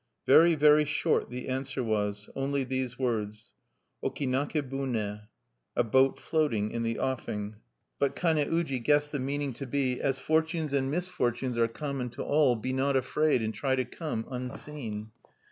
Very, very short the answer was, only these words: Oki naka bune, "a boat floating in the offing." But Kane uji guessed the meaning to be: "As fortunes and misfortunes are common to all, be not afraid, and try to come unseen."